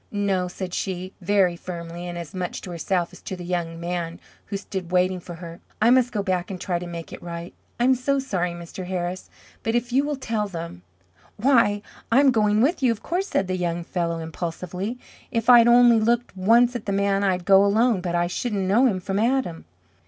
"No," said she, very firmly, and as much to herself as to the young man who stood waiting for her. "I must go back and try to make it right. I'm so sorry, Mr. Harris, but if you will tell them " "Why, I'm going with you, of course" said the young fellow, impulsively. "If I'd only looked once at the man I'd go alone, but I shouldn't know him from Adam."